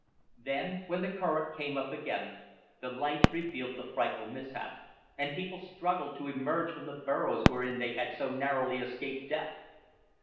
Then, when the current came up again, the lights revealed the frightful mishap, and people struggled to emerge from the burrows wherein they had so narrowly escaped death.